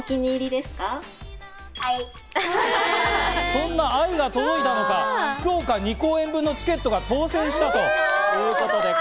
そんな愛が届いたのか、福岡２公演分のチケットが当選したということです。